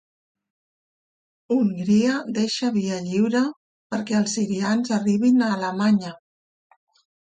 Hongria deixa via lliure perquè els sirians arribin a Alemanya